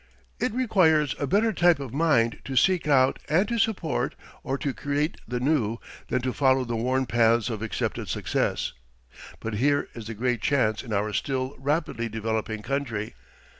It requires a better type of mind to seek out and to support or to create the new than to follow the worn paths of accepted success; but here is the great chance in our still rapidly developing country.